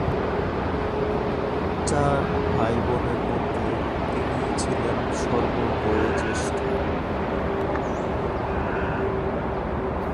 চার ভাইবোনের মধ্যে তিনিই ছিলেন সর্ববয়োজ্যেষ্ঠা।